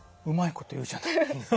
うまいこと言うじゃない。